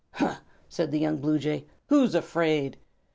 "Huh!" said the young Blue Jay; "who's afraid?"